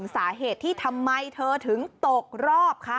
เจอถึงตกรอบค่ะ